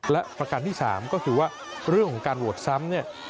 และประการที่๓ก็คือว่าเรื่องของการโหวตซ้ำเนี่ย